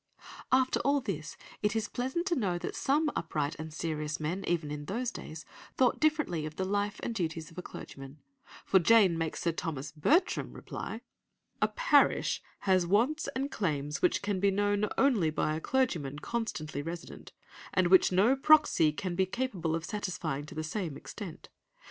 '" After all this, it is pleasant to know that some upright and serious men, even in those days, thought differently of the life and duties of a clergyman, for Jane makes Sir Thomas Bertram reply— "'A parish has wants and claims which can be known only by a clergyman constantly resident, and which no proxy can be capable of satisfying to the same extent.